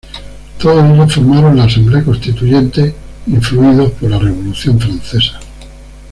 Todos ellos formaron la "Asamblea Constituyente" influidos por la Revolución francesa.